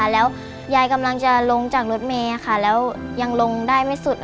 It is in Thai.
แล้วยายกำลังจะลงจากรถเมย์แล้วยังลงได้ไม่สุด